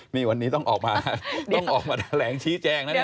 นี่วันนี้ต้องออกมาต้องออกมาแถลงชี้แจงนะเนี่ย